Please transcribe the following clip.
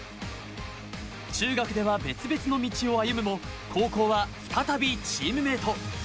中学では別々の道を歩むも高校は再びチームメート。